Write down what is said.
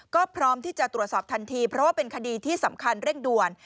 ก็พร้อมที่จะตรวจสอบทันทีเพราะว่าเป็นคดีที่สำคัญเร่งด่วน